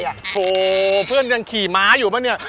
โอ้โหเพื่อนยังขี่ม้าอยู่ป่ะเนี่ย